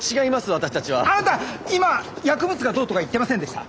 あなた今薬物がどうとか言ってませんでした？